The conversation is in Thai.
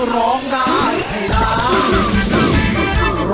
ร้องได้ให้ร้าน